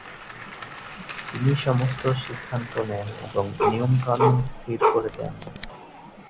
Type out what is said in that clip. তিনিই সমস্ত সিদ্ধান্ত নেন এবং নিয়মকানুন স্থির করে দেন।